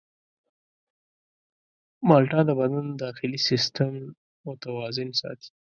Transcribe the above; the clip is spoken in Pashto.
مالټه د بدن داخلي سیستم متوازن ساتي.